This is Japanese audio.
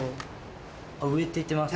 上って言ってます。